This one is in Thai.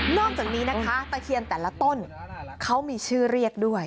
อกจากนี้นะคะตะเคียนแต่ละต้นเขามีชื่อเรียกด้วย